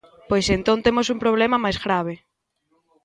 Pois entón temos un problema máis grave.